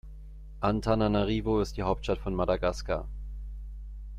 Antananarivo ist die Hauptstadt von Madagaskar.